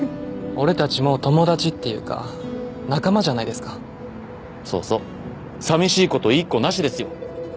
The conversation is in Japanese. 俺たちもう友達っていうか仲間じゃないですかそうそうさみしいこと言いっこなしですよ